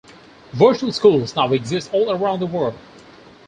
Virtual schools now exist all around the world.